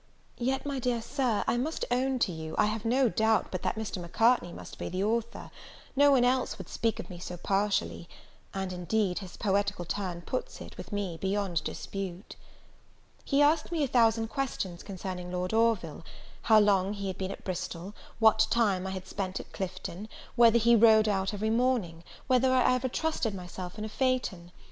Yet, my dear Sir, I must own to you, I have no doubt but that Mr. Macartney must be the author; no one else would speak of me so partially; and, indeed, his poetical turn puts it, with me, beyond dispute. He asked me a thousand questions concerning Lord Orville; how long he had been at Bristol? what time I had spent at Clifton? whether he rode out every morning? whether I ever trusted myself in a phaeton?